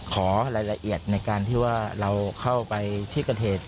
ขอรายละเอียดในการที่ว่าเราเข้าไปที่เกิดเหตุ